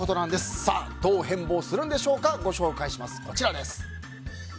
どう変貌するんでしょうかご紹介します。